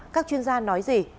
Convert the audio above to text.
các chuyên gia nói gì